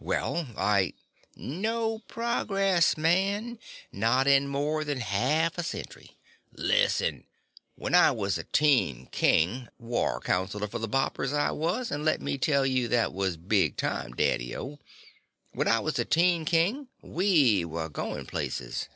"Well, I " "No progress, man, not in more than half a century. Listen, when I was a teen king War Councilor for the Boppers, I was, and let me tell you that was big time, Daddy O when I was a teen king, we were going places.